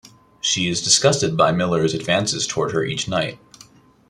She is disgusted by Miller's advances toward her each night.